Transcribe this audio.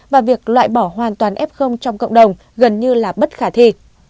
và việc loại bỏ hoàn toàn f trong cộng đồng gần như là bất khả thi